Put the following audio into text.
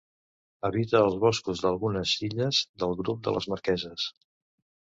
Habita els boscos d'algunes illes del grup de les Marqueses.